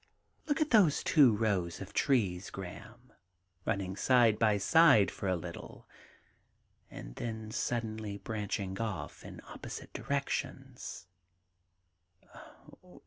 Look at those two rows of trees, Graham, running side by side for a little, and then suddenly branching off in opposite directions.'